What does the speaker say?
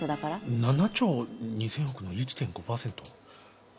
７兆２，０００億の１．５％。